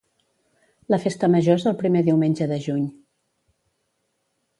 La festa major és el primer diumenge de juny.